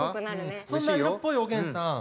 そんな色っぽいおげんさん